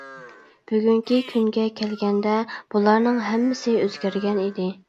بۈگۈنكى كۈنگە كەلگەندە بۇلارنىڭ ھەممىسى ئۆزگەرگەن ئىدى.